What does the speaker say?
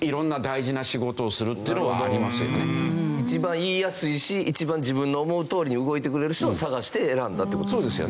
一番言いやすいし一番自分の思うとおりに動いてくれる人を探して選んだっていう事ですか？